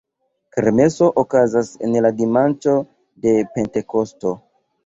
Kermeso okazas en la dimanĉo de Pentekosto.